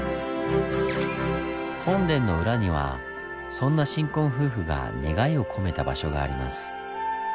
本殿の裏にはそんな新婚夫婦が願いを込めた場所があります。